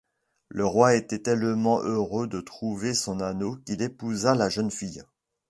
Le roi était tellement heureux de trouver son anneau qu'il épousa la jeune fille.